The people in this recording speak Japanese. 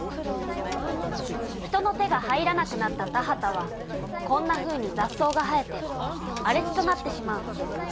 人の手が入らなくなった田畑はこんなふうにざっ草が生えてあれ地となってしまうの。